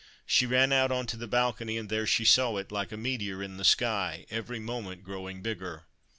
She ran out onto the balcony, and there she saw it, like a meteor in the sky, every moment growing bigger.